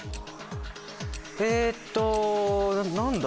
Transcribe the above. えっと何だ？